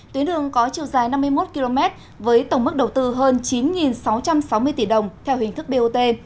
tuyến đường có chiều dài năm mươi một km với tổng mức đầu tư hơn chín sáu trăm sáu mươi tỷ đồng theo hình thức bot